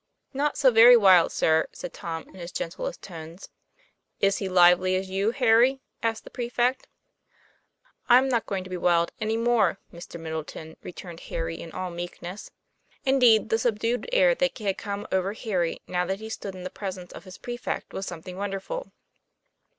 "Not so very wild, sir," said Tom in his gentlest tones. "Is he lively as you, Harry?" asked the prefect. " I'm not going to be wild any more, Mr. Middle ton," returned Harry in all meekness. Indeed the subdued air that had come over Harry, now that he stood in the presence of his prefect, was something wonderful.